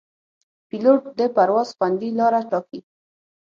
پیلوټ د پرواز خوندي لاره ټاکي.